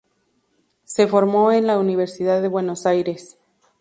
Se formó en la Universidad de Buenos Aires.